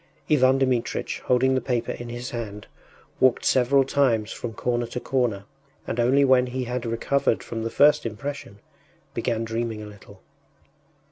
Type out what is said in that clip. Ivan Dmitritch, holding the paper in his hand, walked several times from corner to corner, and only when he had recovered from the first impression began dreaming a little.